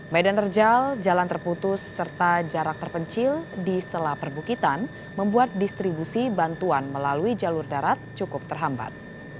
medan terjal jalan terputus serta jarak terpencil di sela perbukitan membuat distribusi bantuan melalui jalur darat cukup terhambat